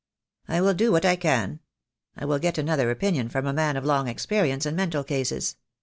"I will do what I can. I will get another opinion from a man of long experience in mental cases.